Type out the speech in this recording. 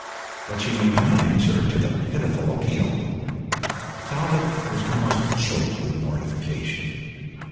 But she made no answer to the pitiful appeal. Talbot was almost choked with mortification.